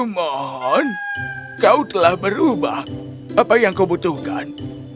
mohon kamu sudah berubah apa yang kamu butuhkan